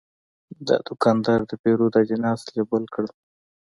دا دوکاندار د پیرود اجناس لیبل کړل.